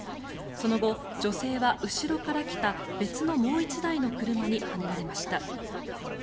その後、女性は後ろから来た別のもう１台の車にはねられました。